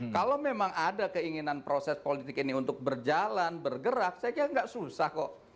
kalau memang ada keinginan proses politik ini untuk berjalan bergerak saya kira nggak susah kok